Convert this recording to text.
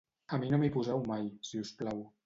A mi no m'hi poseu mai, si us plau.